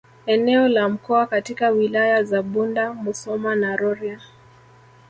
Eneo la mkoa katika Wilaya za Bunda Musoma na Rorya